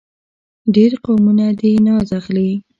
ډېر قومونه دې ناز اخلي.